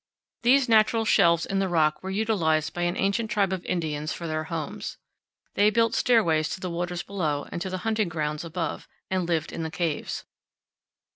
These natural shelves in the rock were utilized by an ancient tribe of Indians for their homes. They built stairways to the waters below and to the hunting grounds above, and lived in the caves.